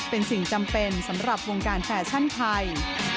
เป็นสิ่งจำเป็นสำหรับวงการแฟชั่นไทย